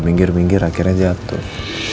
minggir minggir akhirnya jatuh